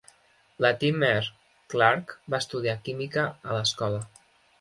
Latimer Clark va estudiar química a l'escola.